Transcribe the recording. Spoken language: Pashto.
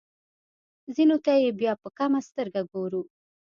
ځینو ته یې بیا په کمه سترګه ګورو.